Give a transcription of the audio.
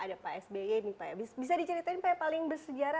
ada pak sby nih pak ya bisa diceritain pak yang paling bersejarah